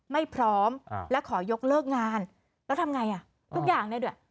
ไม่พร้อมและขอยกเลิกงานแล้วทำไงอ่ะทุกอย่างเนี่ยด้วย